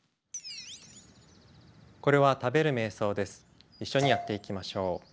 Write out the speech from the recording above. これは一緒にやっていきましょう。